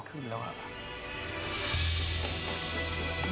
ไม่ขึ้นแล้วหรือเปล่า